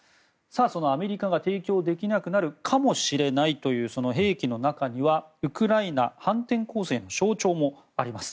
そのアメリカが提供できなくなるかもしれないというその兵器の中にはウクライナ反転攻勢の象徴もあります。